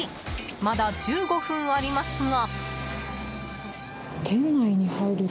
まだ１５分ありますが。